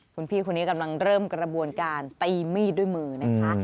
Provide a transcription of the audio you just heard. คุณพี่คนนี้กำลังเริ่มกระบวนการตีมีดด้วยมือนะคะ